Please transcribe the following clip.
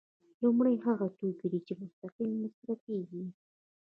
لومړی هغه توکي دي چې مستقیم مصرفیږي.